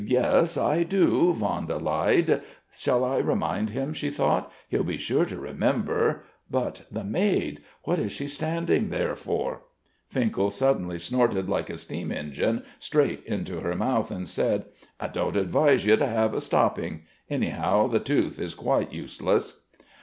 "Yes, I do...." Vanda lied. "Shall I remind him?" she thought, "he'll be sure to remember.... But ... the maid ... what is she standing there for?" Finkel suddenly snorted like a steam engine straight into her mouth, and said: "I don't advise you to have a stopping.... Anyhow the tooth is quite useless."